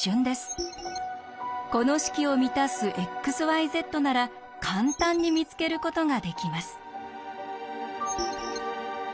この式を満たすｘｙｚなら簡単に見つけることができます。